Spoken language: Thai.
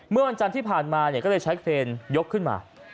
เมื่อวันจันทร์ที่ผ่านมาก็เลยใช้เครนยกขึ้นมา